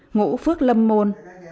ngũ phước lâm môn